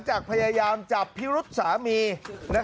การนอนไม่จำเป็นต้องมีอะไรกัน